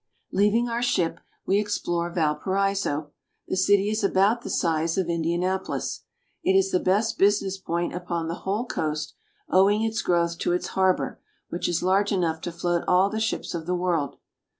Leaving our ship, we explore Valparaiso. The city is about the size of Indianapolis. It is the best business point upon the whole coast, owing its growth to its harbor, which is large enough to float all the ships of the world.